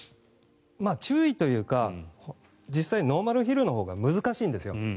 注意というか実際にノーマルヒルのほうが難しいんですよ。